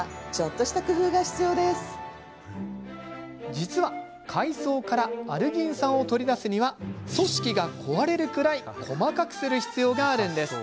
実は海藻からアルギン酸を取り出すには組織が壊れるくらい細かくする必要があるんです。